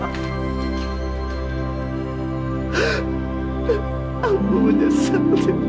mereka seperti semua orang itu reputation